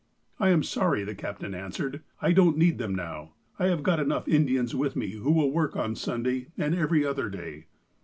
"I am sorry," the captain answered. "I don't need them now, I have got enough Indians with me who will work on Sunday, and every other day."